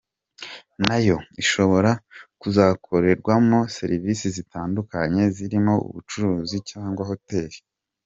Nayo ishobora kuzakorerwamo serivisi zitandukanye zirimo ubucuruzi cyangwa hoteli.